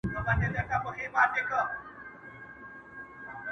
شپې یې ډېري تېرېدې په مېلمستیا کي،